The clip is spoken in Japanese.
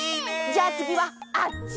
じゃあつぎはあっち！